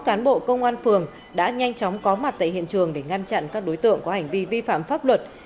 cán bộ công an phường đã nhanh chóng có mặt tại hiện trường để ngăn chặn các đối tượng có hành vi vi phạm pháp luật